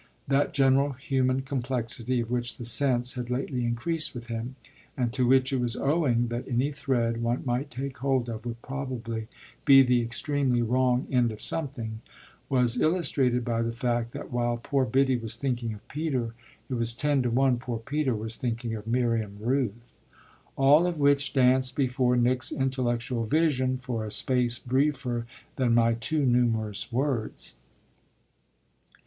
That general human complexity of which the sense had lately increased with him, and to which it was owing that any thread one might take hold of would probably be the extremely wrong end of something, was illustrated by the fact that while poor Biddy was thinking of Peter it was ten to one poor Peter was thinking of Miriam Rooth. All of which danced before Nick's intellectual vision for a space briefer than my too numerous words.